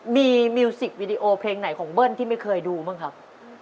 มีมิวสิกวิดีโอเพลงไหนของเบิ้ลที่ไม่เคยดูบ้างครับ